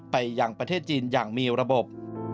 ไปยังประเทศจีนอย่างมีระบบ